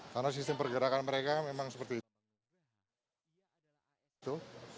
karena sistem pergerakan mereka memang seperti itu